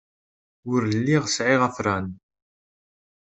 Ur lliɣ sɛiɣ afran.